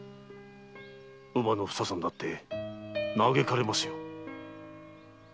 乳母のふささんだって嘆かれますよ。